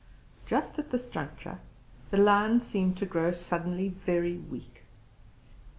Just at this juncture the lion seemed to grow suddenly very weak.